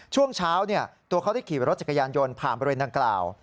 ช่วงเช้าตัวเขาได้ขี่รถจักรยานยนต์ผ่านบริเวณดังกล่าว